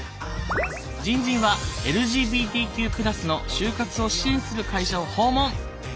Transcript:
じんじんはＬＧＢＴＱ＋の就活を支援する会社を訪問！